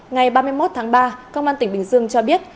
ngày ba mươi một tháng ba công an tỉnh bình dương cho biết